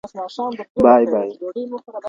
بای بای.